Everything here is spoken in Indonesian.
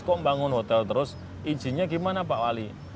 kok bangun hotel terus izinnya gimana pak wali